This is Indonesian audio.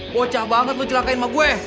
bocah banget lo celakain emak gue